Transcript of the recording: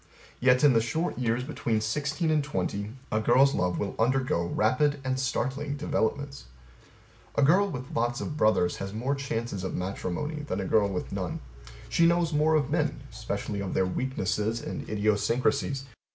Yet In the short years between sixteen and twenty a girl's love will undergo rapid and startling developments. A girl with lots of brothers has more chances of matrimony than a girl with none: she knows more of men; especially of their weaknesses and idiosyncrasies.